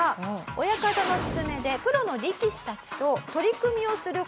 親方の勧めでプロの力士たちと取組をする事になりました。